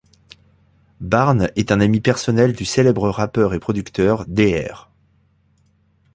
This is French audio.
Barnes est un ami personnel du célèbre rappeur et producteur Dr.